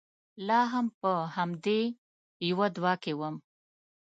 لا هم په همدې يوه دوه کې ووم.